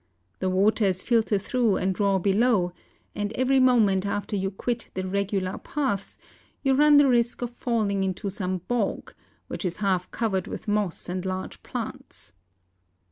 The waters filter through and roar below, and every moment after you quit the regular paths, you run the risk of falling into some bog, which is half covered with moss and large plants.